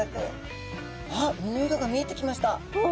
あっ身の色が見えてきました。